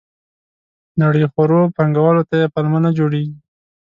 نړیخورو پانګوالو ته یې پلمه نه جوړېږي.